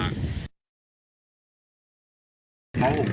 ตอนนี้มาครอบครัว